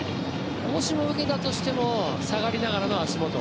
もしも、受けたとしても下がりながらの足元。